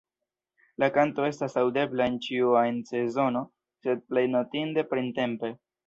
La kanto estas aŭdebla en ĉiu ajn sezono, sed plej notinde printempe.